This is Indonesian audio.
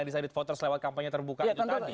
i decided voters lewat kampanye terbuka tadi